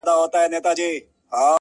• چنار دي ماته پېغور نه راکوي..